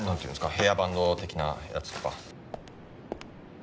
ヘアバンド的なやつとか。